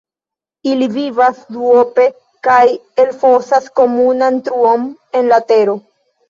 Ili vivas duope kaj elfosas komunan truon en la tero.